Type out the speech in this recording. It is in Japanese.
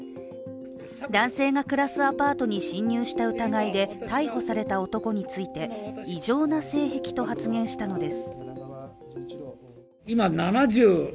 男性が暮らすアパートに侵入した疑いで逮捕された男について異常な性癖と発言したのです。